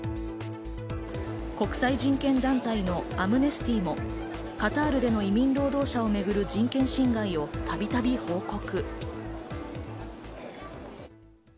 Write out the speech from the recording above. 国際人権団体のアムネスティもカタールでの移民労働者をめぐる人権侵害はたびたび報告。